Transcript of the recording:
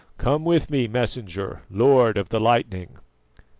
Come with me, Messenger, Lord of the Lightning."